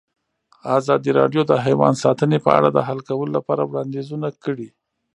ازادي راډیو د حیوان ساتنه په اړه د حل کولو لپاره وړاندیزونه کړي.